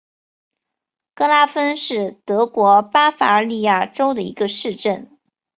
格拉芬是德国巴伐利亚州的一个市镇。